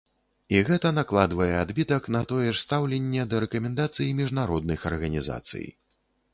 І гэта накладвае адбітак на тое ж стаўленне да рэкамендацый міжнародных арганізацый.